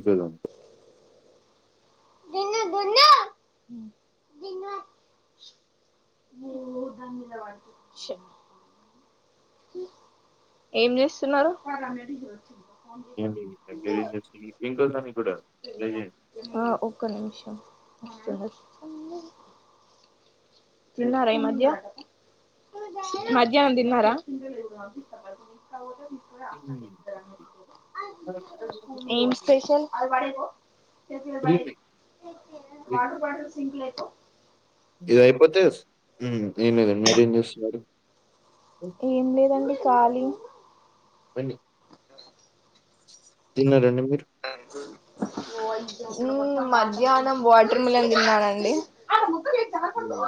ఇంకోదాన్ని [unintelligible] ఓ ధన్యవాద ఏం చేస్తున్నరు. చేయండి. మీరేం చేస్తుర్రు ఇంకోసారి కూడా ట్రై చేయండి ఆ ఒక్క నిమిషం. తిన్నారా ఈ మధ్య మధ్యాహ్నం తిన్నారా ఏం స్పెషల్ త్రీ ఉన్నాయి వాటర్ బటర్ సింక్ లెయి ఇదయిపోతే ఏం లేదండి మీరేం చేస్తున్నారు. ఏం లేదండి కాళి. పని తిన్నరండి. ఆ మధ్యాహ్నం వాటర్ మిలన్ తిన్నారండి [inaudible] ఉమ్.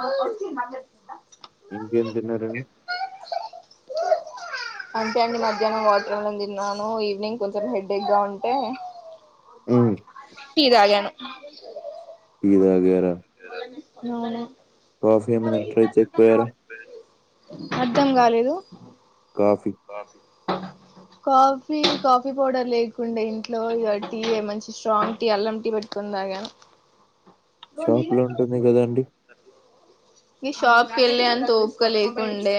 ఇంకేం తిన్నారండి [inaudible] అంతే అండి మధ్యాహ్నం వాటర తిన్నాను ఈవినింగ్ కొంచెం హెడ్ ఎక్ గా ఉంటే ఉ టీ తాగాను [unintelligible] మవును కాఫీ అమినట్యి చెక్పోయార అర్థం కాలేదు కాఫీ కాఫీ కాఫీ పౌడర్ లేకుండా ఇంట్లో ఇక టీ మంచి స్ట్రాంగ్ టీ అల్లం టీ పెట్టుకుంద తాగాను షాపు లో ఉంటుంది కదాండి ఈ షాప్ కే వెళ్ళి అంత ఓపిక లేకుండే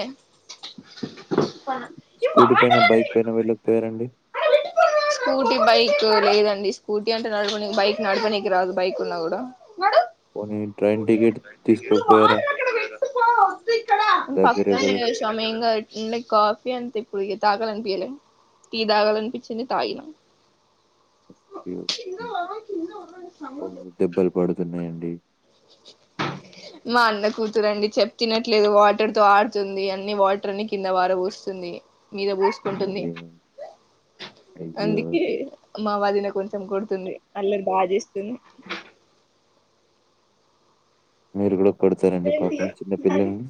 స్కూటీ పైన బైక్ పైన వెళ్ళకపోయారండి [inaudible] స్కూటీ బైక్ లేదండి స్కూటీ అంటే నడపు బైక్ నడపనీనికి రాదు బైక్ ఉన్నా కూడా పోని ట్రైన్ టికెట్ తీసుకోపోయారా పక్కనేా మయిై కాఫీ అంత కుడిగా తాకల అనిపించలే త తీ తాకల అనిపిించించ తాయిిన ఓ దెబ్బలు పడుతున్నాయండి మా అన్న కూతురండి చెప్ తినట్లేదు వాటర్ తో ఆడుతుంది అన్ని వాటర్ని కింద పరబోస్తుంది మీద పోూసుకుంటుంది అయ్యో! అయ్యో! అందుకే మా వాదిన కొంచెం కొడుతుంది అల్లరు బాగా చేస్తుంది మీరు కూడా కోడతారండి పాపం చిన్న పిల్లల్ని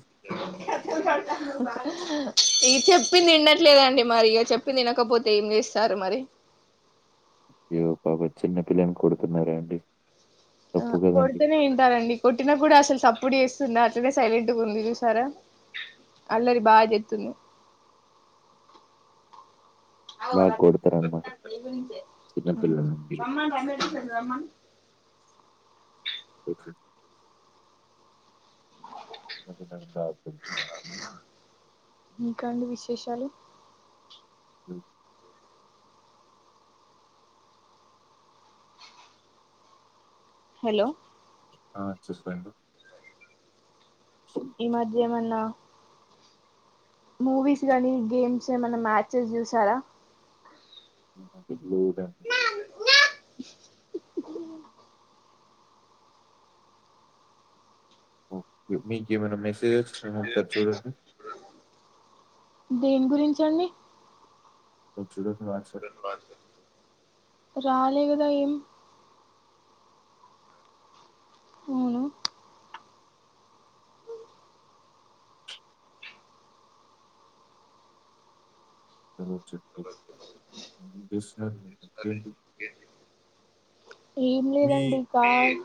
ఇ చెప్పింది విినట్లేదండి మరి ఇక చెప్పింది తినకపోతే ఏం చేస్తారు మరి [unintelligible] అయ్యో పాప చిన్నపినికి కొడుతున్నారండి ఆ కొడుతేనే ఇంటారండి కొట్టిన కూడా అసలు సపోర్ట్ చేస్త అట్లనే సైలెంట్ ఉంది సారా అల్లరి బా చేస్తుంది అద బాగా కొడతారనమాట పడి గుంచ చిన్న పిల్లల్ని మీరు. రమ్మన్ రండిస అమ్మన్ ఓ [inaudible] ఇంకా ఆండి విశేషాలు ఉ హలో ఆ చెప్పండి ఈ మధ్యమన్నా మూవీస్ గానీ గేమ్స్ ఏమైన్నా మ్యాచెస్ చూసారా లేదా [inaudible] ఓకే మీకు ఏమైనా మెసేజ్ వచ్చినా ఒకసారి చూడండి దేని గురించండి ఇచ్చేడే రాలేగదాఏం అవును చ చె [unintelligible] ఏం మీ లేదండి కార్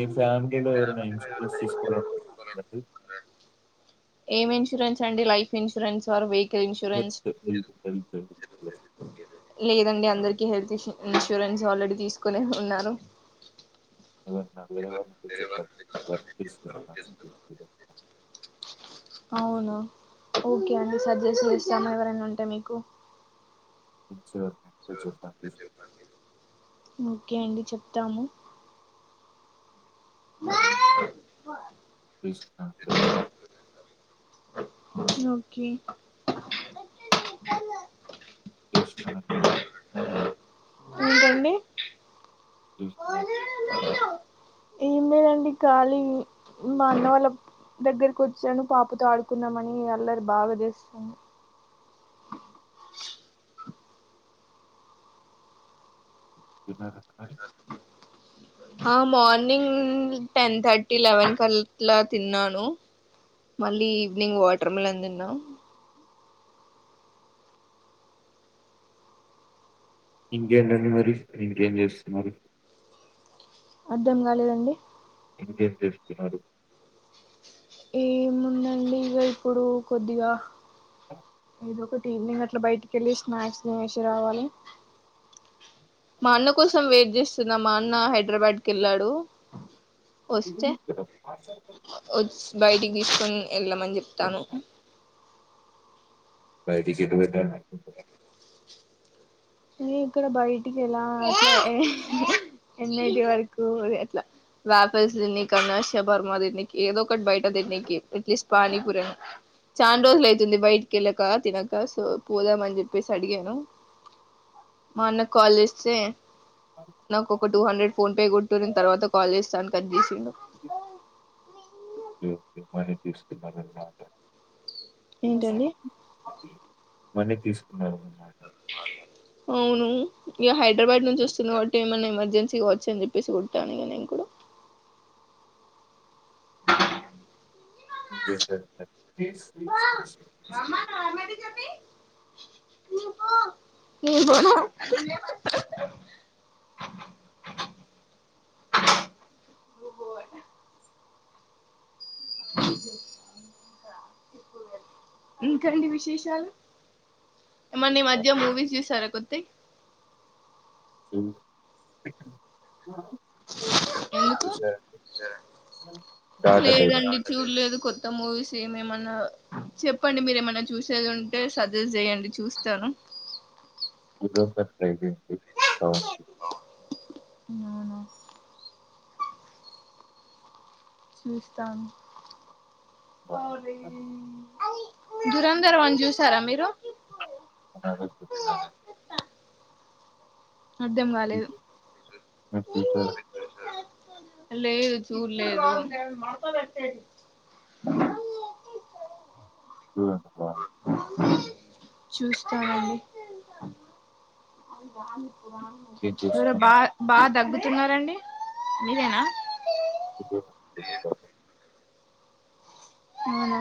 ఏ ఫ్యామ్ లీలో ఎవరైనా ఇన్సూరెన్స్ తీసుకోవండి ఏం ఇన్సూరెన్స్ అండి లైఫ్ ఇన్సూరెన్స్ ఆర్ వే [unintelligible] లేదండి అందరికి హెల్త్ ఇన్సూరెన్స్ ఆల్రెడీ తీసుకుొనే ఉన్నాను ఇవన్న [inaudible] వారు ఉంటే చెప్పండి వర్తిస్తున్నా [inaudible] అవున ఓకే అండి సర్జెస్ట్ చేస్తాను ఎవరైనా ఉంటె మీకు ఇచ్చ చ ఓకే అండి చెప్తాము [unintelligible] ఓకే తెస్తా ఏంటి అండి [unintelligible] ండి ఖాళీ మా అన్న వాళ్ళ దగ్గరకి వచ్చాను పాపతో ఆడుకున్నామని అల్లరి బా బాగా చేస్తుంది ఇమ [inaudible] ఆ మార్నింగ్ టెన్ థర్టీ లెవెన్ కళ్ళ తిన్నాను మళ్ళీ ఈవినింగ్ వాటర్మిలన్ తిన్న ఇంకేంటండి మరి ఇంకేం చేస్తున్నారు అర్ధం కాలేదండి ఇంకేం చేస్తున్నారు ఏముందండి ఇక ఇప్పుడు కొద్దిగా ఏదో ఒకటి ఈవినింగ్ అట్లా బయటికి వెళ్ళి స్నాక్స్ వేసి రావాలి మా అన్న కోసం వెయిట్ చేస్తున్న మా అన్న హైదరాబాద్కి వెళ్ళాడు ఒస్తే ఒస్తే బయటికి తీసుకొని వెళ్ళమని చెప్తాను బయటకి ఎటు వెళ్ళాలి అనుకుంటారు న ఇక్కడ బయటికి ఎలా అంటే ఎన్నటి వరకు త వ్యాపల్ తిన్నని అన్న షవర్మ తిన్నినికి ఏదో ఒకటి బయట తిన్నినికి ఎట్లీస్ట్ పనిపురి అన్న చానా రోజులుయితుంది బయటికి వెళ్ళక తినక సో పోదామని చెప్పేసి అడిగాను మా అన్నకి కాల్ చేస్తే నాకు ఒక టూ హండ్రెడ్ ఫోన్ పే కొట్టు నేను తర్వాత కాల్ చేస్తా అని కట్ చేసిండు జ మైన తీసుతి మారలున్నాట ఏంటండి మన్ని తీసుకున్నారు అవును ఇక హైదరాబాద్ నుంచి వస్తుంది కాబట్టి ఏమైన్నా ఎమర్జెన్సీగావచ్చ అని చెప్పేసి కుట్టాను ఇక నేను కూడా [unintelligible] నేను కూడా ఓహో ఇంకా అండి విశేషాలు ఏమన్న ఈ మధ్య మూవీస్ చూసారా కొత్తవి అ మీరు ఎందుకు చుసారా అండీ లేదండి చూడలేదు కొత్త మూవీస్ చూ ఎమ్ ఎమన్నా చెప్పండి మీరు ఏమన్నా చూసేది ఉంటే సజెస్ట్ చేయండి చూస్తాను. దురందర్ అయ్యిపొయింది బాగుంది నేనా చూస్తా ఆల్రెడీ బాగుంది దురందర్ వన్ చూసారా మీరు [unintelligible] అర్ధం కాలేదు మీరు చుసారా లేదు చూ లేదు [unintelligible] చూస్తాను అండీ ఏం మీరు చేస్తారు? బా బాగా దగ్గుతున్నారండి మీరేనా [unintelligible] అవునా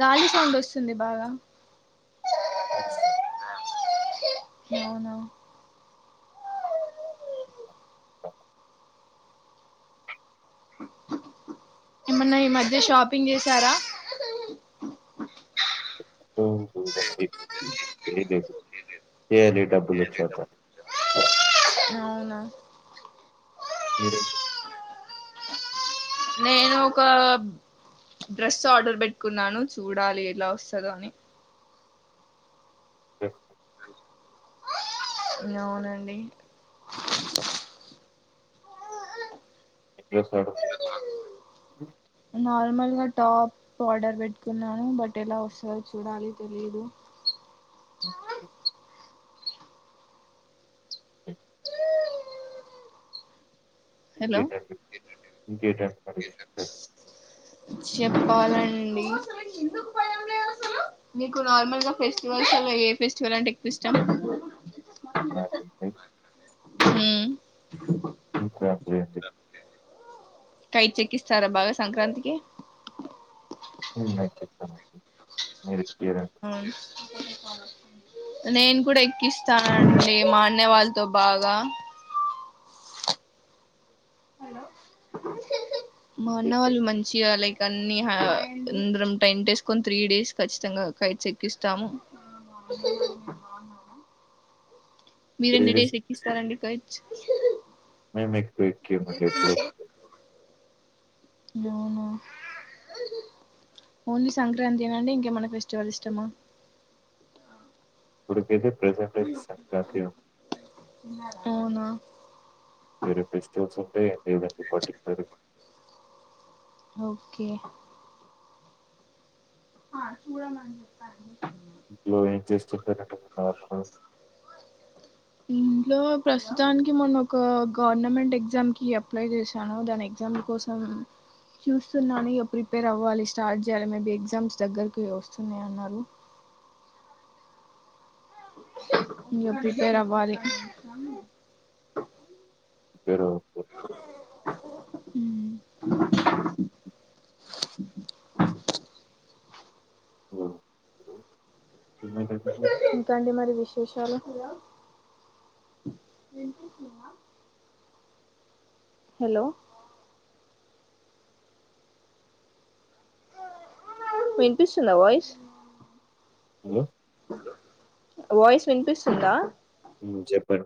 గాలి సౌండ్ వస్తుంది బాగా ప్లాజా అవునా ఏమన్నా ఈ మధ్య షాపింగ్ చేసారా ఎమ్ చేయలేదు అండీ చేయలేదు, చేయనికి డబ్బులు సరసాదు అవునా మీరు అండీ నేను ఒక డ్రెస్ ఆర్డర్ పెట్టుకున్నాను చూడాలి ఎలా వస్తదో అని డ్రెస్సా అవునండి ఎ డ్రెస్ ఆర్డర్ పెట్టుకున్నావు నార్మల్గా టాప్ ఆర్డర్ పెట్టుకున్నాను బట్ ఎలా వస్తదో చూడాలి తెలిదు ఓకే హలో నండి, మరి ఇంకేంటి అండి విషయాలు చెప్పాలండి మీకు నార్మల్ గా ఫెస్టివల్స్ లో ఏ ఫెస్టివల్ అంటే ఎక్కువ ఇష్టం నాకైతే హుమ్ సంక్రాంతి అండి కై చకిస్తారా బాగా సంక్రాంతికి నపిస్తాను అండీ మీరు ఎక్కారండి అవున్ నేను కూడా ఎక్కిస్తానండి మా అన్నయ్య వాళ్ళతో బాగా మా అన్న వాళ్ళు మంచి గా లైక్ కన్ని ఆహ్ అందరం టెంట్ వేస్ కొని త్రీ డేస్ కఖచ్చితంగా కైట్స్ ఎక్కిస్తాము. మీరెన్ని డేస్ కి ఎక్కిస్తారండి కైట్స్ మేం ఎక్కువ ఎక్కియం అండి, ఎప్పుడో ఒకసారి. అవునా ఓన్లీ సంక్రాంతి ఏనా అండి ఇంక మనకు ఫెస్టివల్ ఇష్టమా ఇప్పుడు వచ్చేసి ప్రజెంట్ టెన్స్ [unintelligible] అవునా వేరే ఫెస్టివల్స్ ఉంటాయి లేదండి పర్టికులర్ ఓకే హా చూడాలనిపిస్తుంది జో జస్ట్ ఇంట్లో ప్రస్తుతానికి మొన్న ఒక గవర్నమెంట్ ఎగ్జామ్ కి అప్లై చేశాను దాని ఎగ్జామ్ కోసం చూస్తున్నాను ఇగ ప్రిపేర్ అవ్వాలి స్టార్ట్ చేయాలి మేబి ఎగ్జామ్స్ దగ్గరికి వస్తూనే ఉన్నారు ఇంగా ప్రిపేర్ అవ్వాలి ప్రిపేర్ అవ్వుపో ఉమ్ హలో! ఇంకా అండి మరి విశేషాలు వినిపిస్తుందా హలో వినిపిస్తుందా వాయిస్ హలో వాయిస్ వినిపిస్తుందా చెప్పండి